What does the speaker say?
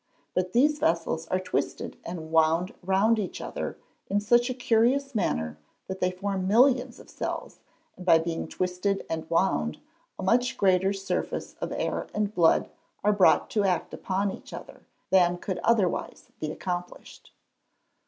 But these vessels are twisted and wound round each other in such a curious manner, that they form millions of cells, and by being twisted and wound, a much greater surface of air and blood are brought to act upon each other, than could otherwise be accomplished.